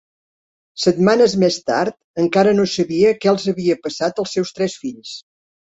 Setmanes més tard, encara no sabia què els havia passat als seus tres fills.